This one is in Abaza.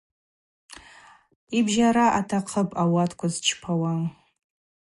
Йбжьара атахъыпӏ ауатква зчпауа.